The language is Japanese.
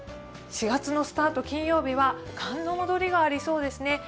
４月のスタート、金曜日は寒の戻りがありそうですね。